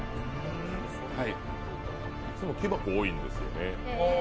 いつも木箱、多いんですよね。